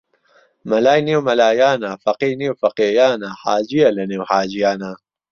مەلای نێو مەلایانە فەقێی نێو فەقێیانە حاجیە لە نێو حاجیانە